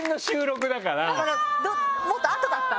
もっと後だった。